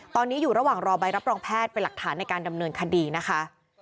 ตอนนี้อยู่ระหว่างรอใบรับรองแพทย์เป็นหลักฐานในการดำเนินคดีนะคะ